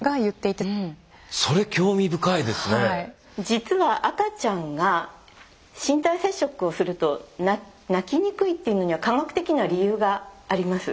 実は赤ちゃんが身体接触をすると泣きにくいというのには科学的な理由があります。